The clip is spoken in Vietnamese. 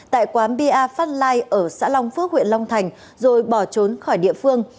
tại quán bia phát lai ở xã long phước huyện long thành rồi bỏ trốn khỏi địa phương